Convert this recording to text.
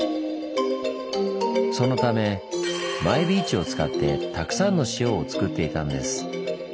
そのためマイビーチを使ってたくさんの塩をつくっていたんです。